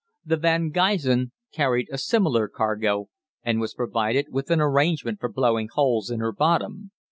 The 'Van Gysen' carried a similar cargo, and was provided with an arrangement for blowing holes in her bottom.